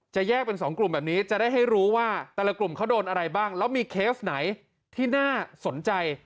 แยกเป็นสองกลุ่มแบบนี้จะได้ให้รู้ว่าแต่ละกลุ่มเขาโดนอะไรบ้างแล้วมีเคสไหนที่น่าสนใจ